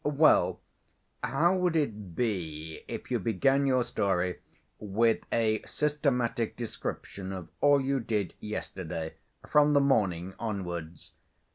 "Well, how would it be if you began your story with a systematic description of all you did yesterday, from the morning onwards?